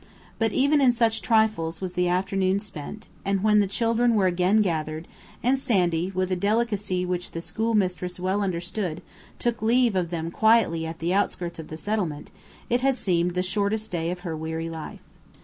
But even in such trifles was the afternoon spent; and when the children were again gathered, and Sandy, with a delicacy which the schoolmistress well understood, took leave of them quietly at the outskirts of the settlement, it had seemed the shortest day of her weary life.